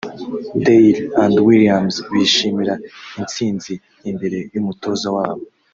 Dyer and Williams bishimira intsinzi imbere y’umutoza wabo